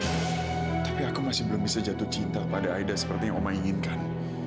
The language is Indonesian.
tapi aku masih belum bisa jatuh cinta pada aida seperti yang oma inginkan